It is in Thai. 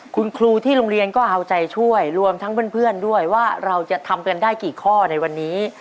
คุณครูที่โรงเรียนก็เอาใจช่วยรวมทั้งเพื่อนด้วยว่าเราจะทำกันได้กี่ข้อในวันนี้